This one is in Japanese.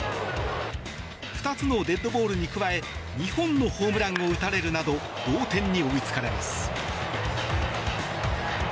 ２つのデッドボールに加え２本のホームランを打たれるなど同点に追いつかれます。